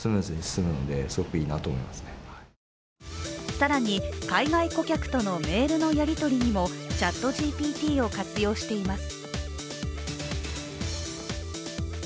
更に海外顧客とのメールのやり取りにもＣｈａｔＧＰＴを活用しています。